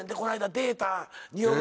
データが？